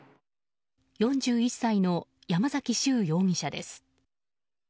４１歳の山崎秀容疑者です。